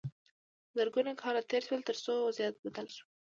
زرګونه کاله تیر شول تر څو وضعیت بدل شو.